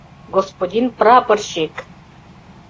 Господин прапорщик!